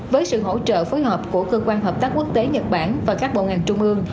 với sự hỗ trợ phối hợp của cơ quan hợp tác quốc tế nhật bản và các bộ ngành trung ương